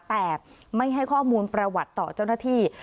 แต่ไม่ให้ข้อมูลประวัติต่อเจ้าหน้าที่